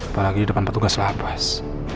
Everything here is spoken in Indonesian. apalagi di depan petugas lapas